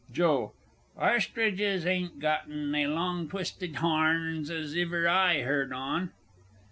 JOE. Ostridges ain't gotten they long twisted harns as iver I heard on.